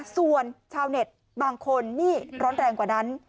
ส่วนชาวเน็ตบางคนนี่ร้อนแรงกว่านั้น